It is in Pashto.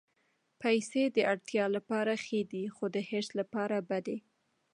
پېسې د اړتیا لپاره ښې دي، خو د حرص لپاره بدې.